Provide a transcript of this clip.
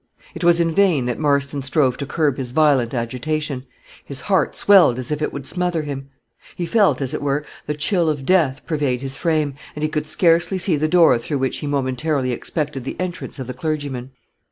It was in vain that Marston strove to curb his violent agitation: his heart swelled as if it would smother him; he felt, as it were, the chill of death pervade his frame, and he could scarcely see the door through which he momentarily expected the entrance of the clergyman.